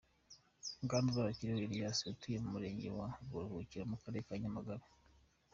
Bwana Uzabakiriho Elias atuye mu murenge wa Buruhukiro mu karere ka Nyamagabe.